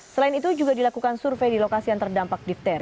selain itu juga dilakukan survei di lokasi yang terdampak difteri